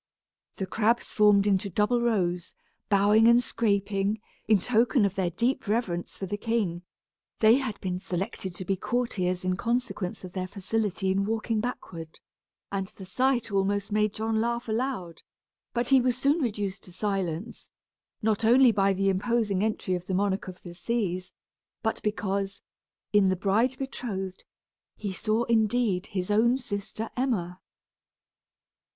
The crabs formed into double rows, bowing and scraping, in token of their deep reverence for the king (they had been selected to be courtiers in consequence of their facility in walking backward), and the sight almost made John laugh aloud; but he was soon reduced to silence, not only by the imposing entry of the monarch of the seas, but because, in the bride betrothed, he saw indeed his own dear Emma.